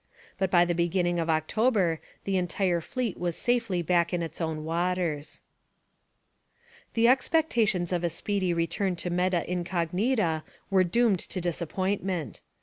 But by the beginning of October, the entire fleet was safely back in its own waters. The expectations of a speedy return to Meta Incognita were doomed to disappointment.